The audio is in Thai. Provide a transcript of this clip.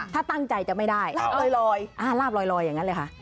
ถ้าตั้งใจจะไม่ได้ลาบลอยลาบลอยอย่างนั้นเลยค่ะ